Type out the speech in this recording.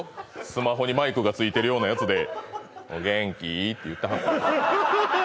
スマホにマイクがついてるようなやつで「お元気？」って言ってはったんです「